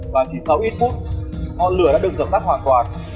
và chỉ sau ít phút ngọn lửa đã được dập tắt hoàn toàn